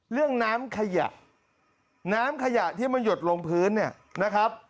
เรื่องน้ำขยะน้ำขยะที่มันหยดลงพื้นเนี่ยนะครับ